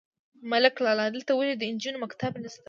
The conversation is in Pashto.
_ملک لالا! دلته ولې د نجونو مکتب نشته؟